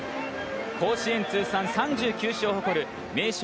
甲子園通算３９勝を誇る名将